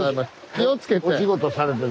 気をつけて。